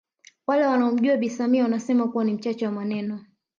Wale wanaomjua Bi Samia wanasema kuwa ni mchache wa maneno